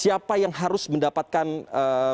siapa yang harus mendapatkan ee